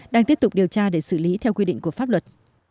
đang tiếp tục điều tra để xử lý theo quy định của pháp luật